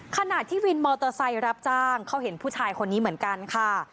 ขณะที่วินมอเตอร์ไซค์รับจ้างเขาเห็นผู้ชายคนนี้เหมือนกันค่ะ